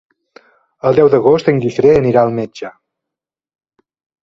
El deu d'agost en Guifré anirà al metge.